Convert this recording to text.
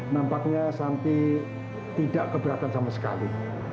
nampaknya santi tidak keberatan sama sekali